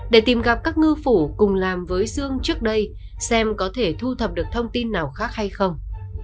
để tìm gặp các ngư phủ cùng làm với dương trước đây xem có thể thu thập được thông tin nào khác hay không